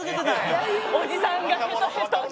おじさんがヘトヘトになって。